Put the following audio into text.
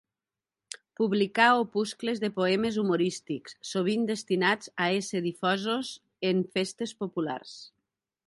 Publicà opuscles de poemes humorístics, sovint destinats a ésser difosos en festes populars.